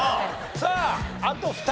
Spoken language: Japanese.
さああと２人。